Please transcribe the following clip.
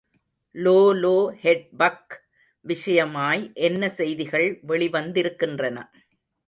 லோலோஹெட்பக் விஷயமாய் என்ன செய்திகள் வெளிவந்திருக்கின்றன.